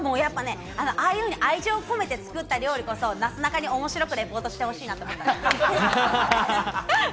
ああいう愛情を込めて作った料理こそなすなかに面白くリポートしてほしいなと思った。